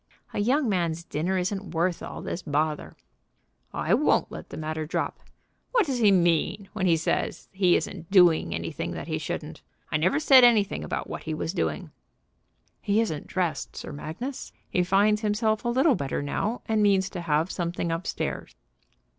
"A young man's dinner isn't worth all this bother." "I won't let the matter drop. What does he mean when he says that he isn't doing anything that he shouldn't? I've never said anything about what he was doing." "He isn't dressed, Sir Magnus. He finds himself a little better now, and means to have something up stairs."